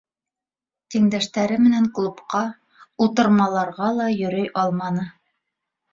Тиңдәштәре менән клубҡа, ултырмаларға ла йөрөй алманы.